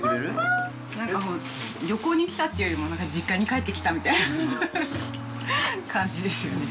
なんかもう旅行に来たというよりも実家に帰ってきたみたいな感じですよね。